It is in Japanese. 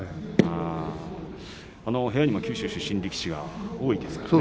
部屋にも九州出身力士が多いですよね。